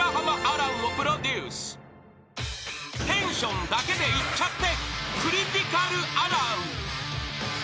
［テンションだけでいっちゃって］